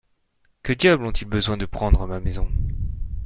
Que diable ont-ils besoin de prendre ma maison